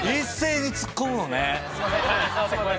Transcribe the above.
すいません。